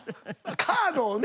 カードをね。